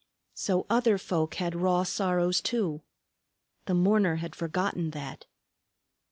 So other folk had raw sorrows, too. The mourner had forgotten that.